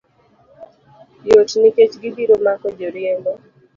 Yot nikech gibiro mako joriembo